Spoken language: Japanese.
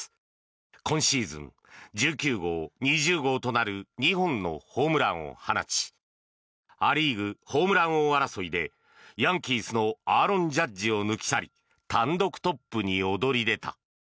今シーズン１９号、２０号となる２本のホームランを放ちア・リーグホームラン王争いでヤンキースのアーロン・ジャッジを抜き去り単独トップに躍り出た。